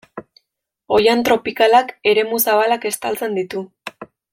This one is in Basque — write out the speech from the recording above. Oihan tropikalak eremu zabalak estaltzen ditu.